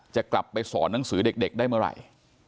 จะกลับไปสอนหนังสือเด็กได้เมื่อไหร่